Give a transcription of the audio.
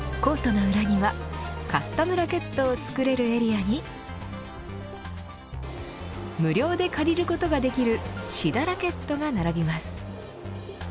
コートの裏にはカスタムラケットを作れるエリアに無料で借りることができる試打ラケットが並びます。